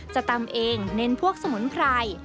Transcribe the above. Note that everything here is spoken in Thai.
ตำเองเน้นพวกสมุนไพร